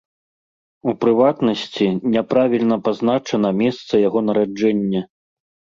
У прыватнасці, няправільна пазначана месца яго нараджэння.